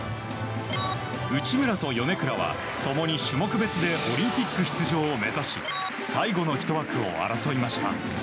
内村と米倉は共に種目別でオリンピック出場を目指し最後の１枠を争いました。